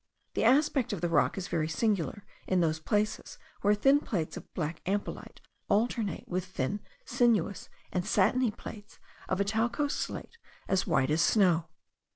The aspect of the rock is very singular in those places where thin plates of black ampelite alternate with thin, sinuous, and satiny plates of a talcose slate as white as snow.